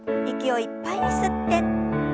息をいっぱいに吸って。